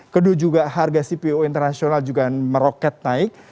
kedua juga harga cpo internasional juga meroket naik